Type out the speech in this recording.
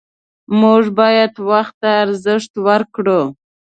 موږ باید وخت ته ارزښت ورکړو